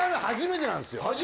初めてなんですよ